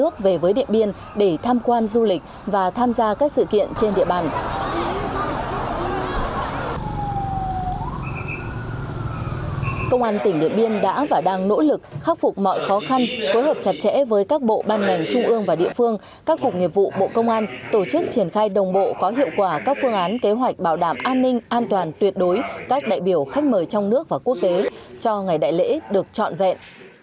công an tỉnh điện biên đã và đang nỗ lực khắc phục mọi khó khăn cối hợp chặt chẽ với các bộ ban ngành trung ương và địa phương các cục nghiệp vụ bộ công an tổ chức triển khai đồng bộ có hiệu quả các phương án kế hoạch bảo đảm an ninh an toàn tuyệt đối các đại biểu khách mời trong nước và quốc tế cho ngày đại lễ được chọn vẹn